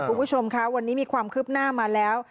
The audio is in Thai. คุณผู้ชมคะวันนี้มีความคืบหน้ามาแล้ว